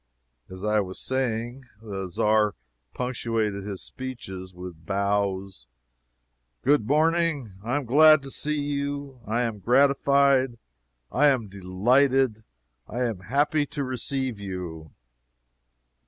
As I was saying, the Czar punctuated his speeches with bows: "Good morning I am glad to see you I am gratified I am delighted I am happy to receive you!"